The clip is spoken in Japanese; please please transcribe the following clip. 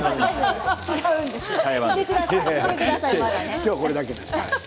今日はこれだけなので。